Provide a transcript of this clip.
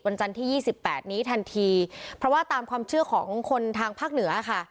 จันทร์ที่ยี่สิบแปดนี้ทันทีเพราะว่าตามความเชื่อของคนทางภาคเหนือค่ะ